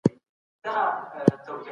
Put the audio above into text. ملتونه به ټولو ته برابر حقونه ورکوي.